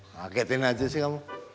kagetin aja sih kamu